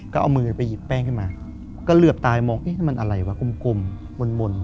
ก็เอามือไปหยิบแป้งขึ้นมาก็เหลือบตายมองเอ๊ะมันอะไรวะกลมมนต์